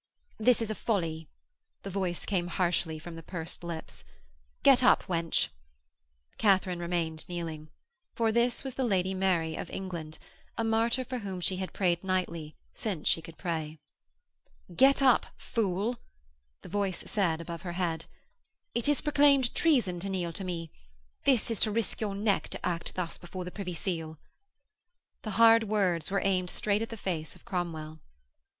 'This is a folly,' the voice came harshly from the pursed lips. 'Get up, wench.' Katharine remained kneeling. For this was the Lady Mary of England a martyr for whom she had prayed nightly since she could pray. 'Get up, fool,' the voice said above her head. 'It is proclaimed treason to kneel to me. This is to risk your neck to act thus before Privy Seal.' The hard words were aimed straight at the face of Cromwell.